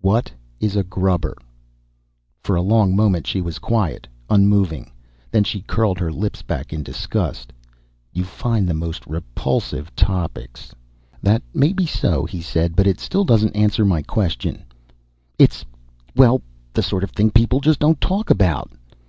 "What is a 'grubber'?" For a long moment she was quiet, unmoving. Then she curled her lips back in disgust. "You find the most repulsive topics." "That may be so," he said, "but it still doesn't answer my question." "It's ... well, the sort of thing people just don't talk about."